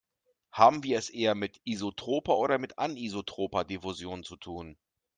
Haben wir es eher mit isotroper oder mit anisotroper Diffusion zu tun?